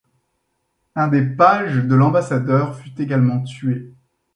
Un des pages de l’ambassadeur fut également tué.